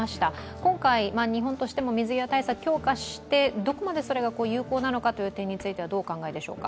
今回、日本としても水際対策強化してどこまでそれが有効なのかという点についてどうお考えでしょうか。